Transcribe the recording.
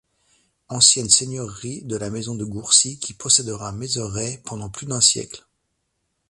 Ancienne seigneurie de la Maison de Gourcy qui possédera Maizeray pendant plus d'un siècle.